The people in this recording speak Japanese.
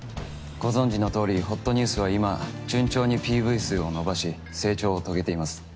ご存じのとおりほっとニュースは今順調にＰＶ数を伸ばし成長を遂げています。